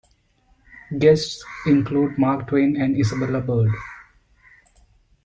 Guests included Mark Twain and Isabella Bird.